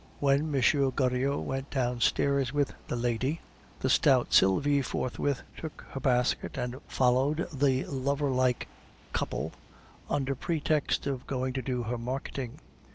When M. Goriot went downstairs with the lady, the stout Sylvie forthwith took her basket and followed the lover like couple, under pretext of going to do her marketing.